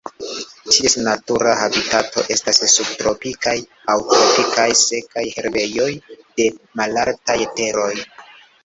Ties natura habitato estas subtropikaj aŭ tropikaj sekaj herbejoj de malaltaj teroj.